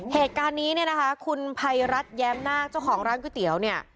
เหตุการณ์นี้เนี่ยนะคะคุณภัยรัฐแย้มนาคเจ้าของร้านก๋วยเตี๋ยวเนี่ย